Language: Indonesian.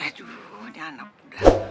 aduh ini anak muda